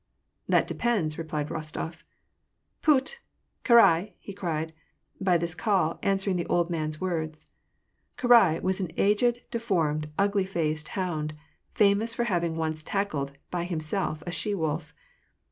" That depends," replied Rostof ." Phut ! Karai !" he cried ; by this call answering the old man's words. Karai was an aged, deformed, ugly faced hound, famous for having cmoe tackled by himself a she wolf.